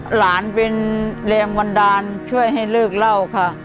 หลานเป็นแรงบันดาลช่วยให้เลิกเล่าค่ะ